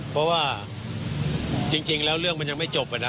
เพราะว่าจริงแล้วเรื่องมันยังไม่จบนะ